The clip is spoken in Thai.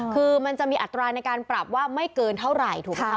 คือมันจะมีอัตราในการปรับว่าไม่เกินเท่าไหร่ถูกไหมคะ